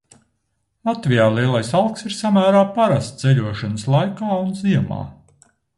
Latvijā lielais alks ir samērā parasts ceļošanas laikā un ziemā.